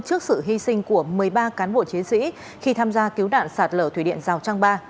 trước sự hy sinh của một mươi ba cán bộ chiến sĩ khi tham gia cứu nạn sạt lở thủy điện rào trang ba